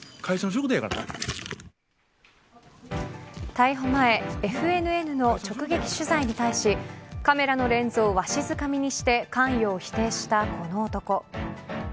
逮捕前ＦＮＮの直撃取材に対しカメラのレンズをわしづかみにして関与を否定したこの男。